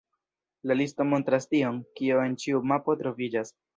La listo montras tion, kio en ĉiu mapo troviĝas.